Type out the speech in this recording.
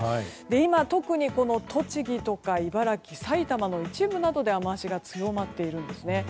今、特に栃木とか茨城埼玉の一部などで雨脚が強まっているんですね。